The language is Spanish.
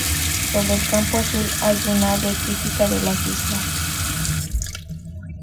Sobre el campo azul hay un ave típica de las islas.